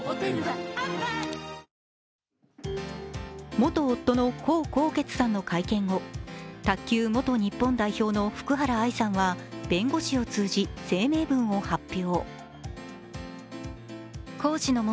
元夫の江宏傑さんの会見後、卓球元日本代表の福原愛さんは弁護士を通じ、声明文を発表。